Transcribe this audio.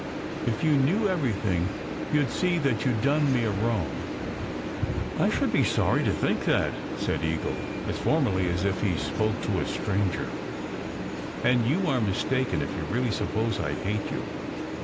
If you knew everything, you d see that you d done me a wrong." "I should be sorry to think that," said Eagle, as formally as if he spoke to a stranger. "And you are mistaken if you really suppose I hate you.